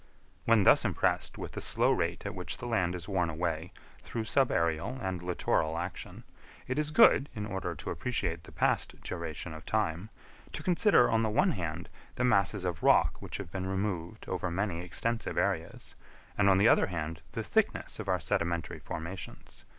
When thus impressed with the slow rate at which the land is worn away through subaërial and littoral action, it is good, in order to appreciate the past duration of time, to consider, on the one hand, the masses of rock which have been removed over many extensive areas, and on the other hand the thickness of our sedimentary formations.